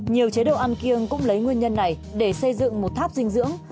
nhiều chế độ ăn kiêng cũng lấy nguyên nhân này để xây dựng một tháp dinh dưỡng